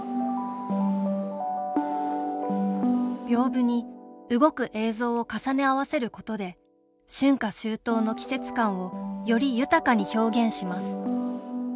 屏風に動く映像を重ね合わせることで春夏秋冬の季節感をより豊かに表現します